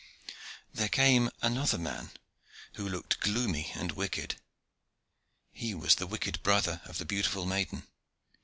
There came another man, who looked gloomy and wicked. He was the wicked brother of the beautiful maiden.